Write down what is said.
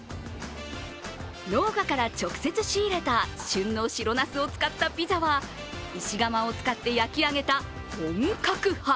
農家から直接仕入れた旬の白なすを使ったピザは石窯を使って焼き上げた本格派。